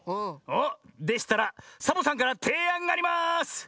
おっ！でしたらサボさんからていあんがあります。